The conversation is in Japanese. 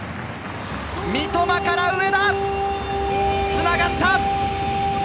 三笘から上田、つながった。